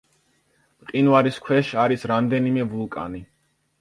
მყინვარის ქვეშ არის რამდენიმე ვულკანი.